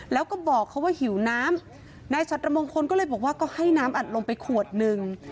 แล้วก็บอกเขาว่าหิวน้ำนายชัตรมงคลก็เลยบอกว่าก็ให้น้ำอัดลมไปขวดหนึ่ง